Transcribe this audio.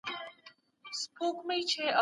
سیاستوال به د سیاست پر علمي والي شک ونه کړي.